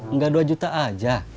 nggak dua juta aja